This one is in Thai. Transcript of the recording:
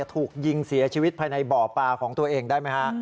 ถูกยิงเสียชีวิตภายในบ่อปลาของตัวเองได้ไหมฮะ